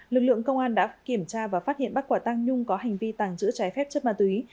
lực lượng công an đã kiểm tra và phát hiện bắt quả tăng nhung có hành vi tàng trữ trái phép chất ma túy